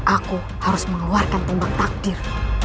aku harus mengeluarkan tembak takdir